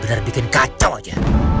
kamu istirahat aja